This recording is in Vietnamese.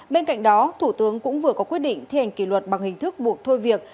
bên cạnh đó thủ tướng cũng vừa có quyết định thi hành kỷ luật bằng hình thức buộc thôi việc